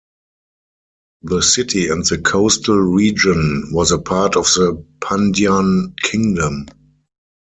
The city and the coastal region was a part of the Pandyan Kingdom.